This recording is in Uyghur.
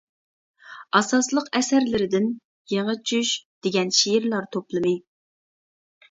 ئاساسلىق ئەسەرلىرىدىن «يېڭى چۈش» دېگەن شېئىرلار توپلىمى.